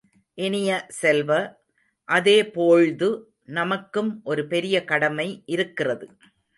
இனிய செல்வ, அதேபோழ்து நமக்கும் ஒரு பெரிய கடமை இருக்கிறது.